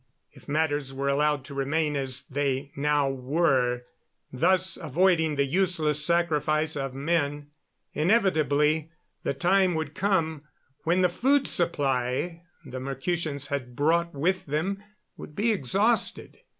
If matters were allowed to remain as they now were thus avoiding the useless sacrifice of men inevitably the time would come when the food supply the Mercutians had brought with them would be exhausted.